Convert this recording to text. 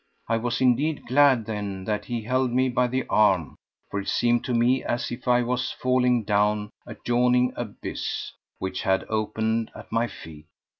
I was indeed glad then that he held me by the arm, for it seemed to me as if I was falling down a yawning abyss which had opened at my feet.